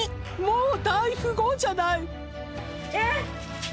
「もう大富豪じゃない！」えっ！